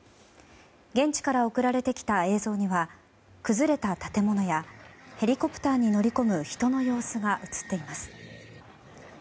現地から送られてきた映像には崩れた建物や、ヘリコプターに乗り込む人の様子が映っています。